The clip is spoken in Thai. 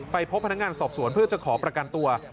พบพนักงานสอบสวนเพื่อจะขอประกันตัว